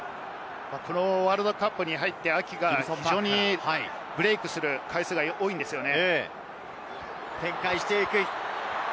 ワールドカップに入ってブレークする回数が多いんですよね。